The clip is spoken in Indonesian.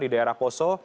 di daerah poso